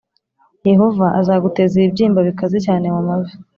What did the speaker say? Yehova azaguteza ibibyimba bikaze cyane mu mavi